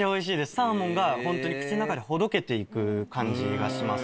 サーモンがホントに口の中でほどけて行く感じがします。